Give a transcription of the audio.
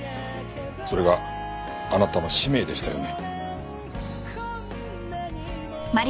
それがあなたの使命でしたよね。